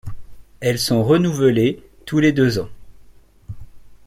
Elles sont renouvelées tous les deux ans.